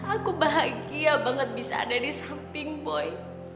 aku bahagia banget bisa ada di samping boy